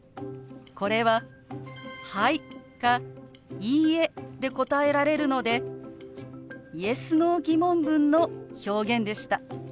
これは「はい」か「いいえ」で答えられるのでＹｅｓ／Ｎｏー疑問文の表現でした。